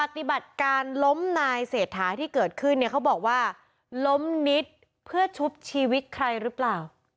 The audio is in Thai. ปฏิบัติการล้มนายเศรษฐาที่เกิดขึ้นเนี่ยเขาบอกว่าล้มนิดเพื่อชุบชีวิตใครหรือเปล่า